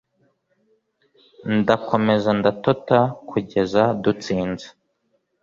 Ndakomeza ndatota kugeza dutsinze